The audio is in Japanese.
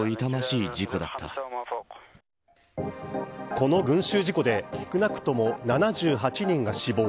この群衆事故で少なくとも７８人が死亡。